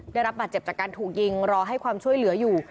ได้รับบาดเจ็บจากการถูกยิงรอให้ความช่วยเหลืออยู่